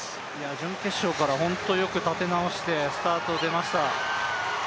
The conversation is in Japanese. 準決勝から本当によく立て直して、スタート出ました。